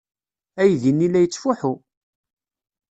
Aydi-inna la yettfuḥu!